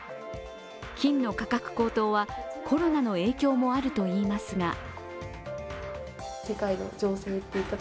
金の価格高騰はコロナの影響もあるといいますが